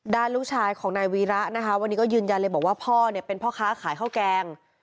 ลูกชายของนายวีระนะคะวันนี้ก็ยืนยันเลยบอกว่าพ่อเนี่ยเป็นพ่อค้าขายข้าวแกง